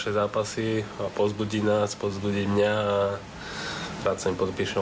ก็อาจจะรู้สึกว่าถ้าพวกเรามาเจอกันกัน